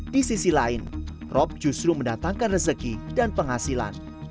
di sisi lain rob justru mendatangkan rezeki dan penghasilan